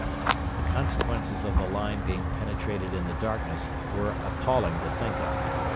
The consequences of the line being penetrated in the darkness were appalling to think of.